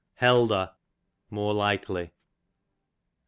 Helder, more likely.